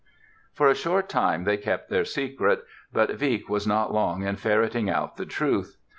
For a short time they kept their secret, but Wieck was not long in ferreting out the truth.